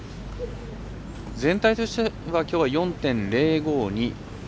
全体としてはきょうは４．０５２。